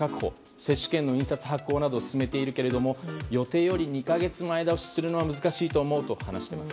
接種券の印刷発行などを始めているけれども予定よりも２か月前倒しするのは難しいと思うと話しています。